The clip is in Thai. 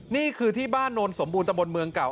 นี่คือที่บ้านโนนสมบูรณตะบนเมืองเก่า